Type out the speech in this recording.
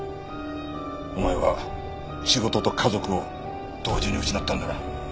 お前は仕事と家族を同時に失ったんだな。